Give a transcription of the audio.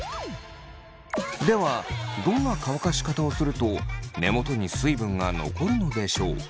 ではどんな乾かし方をすると根元に水分が残るのでしょう。